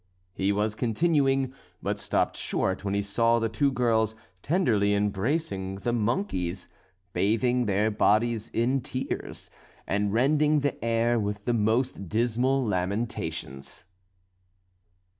He was continuing, but stopped short when he saw the two girls tenderly embracing the monkeys, bathing their bodies in tears, and rending the air with the most dismal lamentations.